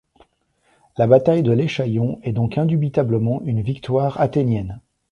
La bataille de Léchaion est donc indubitablement une victoire athénienne.